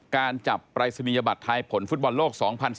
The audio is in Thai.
การจับปรายศนียบัตรไทยผลฟุตบอลโลก๒๐๑๘